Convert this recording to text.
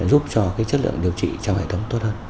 giúp cho chất lượng điều trị trong hệ thống tốt hơn